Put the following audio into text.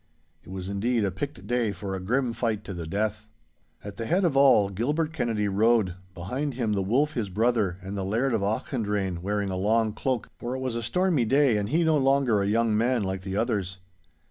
It was indeed a picked day for a grim fight to the death. At the head of all Gilbert Kennedy rode, behind him the Wolf his brother, and the Laird of Auchendrayne wearing a long cloak, for it was a stormy day and he no longer a young man like the others.